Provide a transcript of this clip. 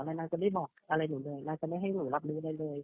แล้วนางจะไม่บอกอะไรหนูเลยนางจะไม่ให้หนูรับรู้อะไรเลย